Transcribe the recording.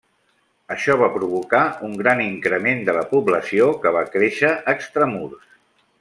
Això va provocar un gran increment de la població, que va créixer extramurs.